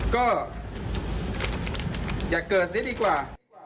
ก็อยากเกิดนิดดีกว่า